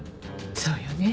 そうよね。